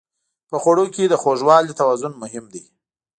په خوړو کې د خوږوالي توازن مهم دی.